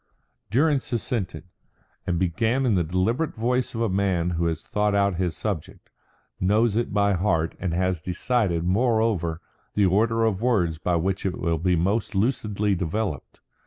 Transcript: Durrance assented, and began in the deliberate voice of a man who has thought out his subject, knows it by heart, and has decided, moreover, the order of words by which it will be most lucidly developed.